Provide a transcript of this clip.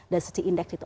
dan setiap indeks itu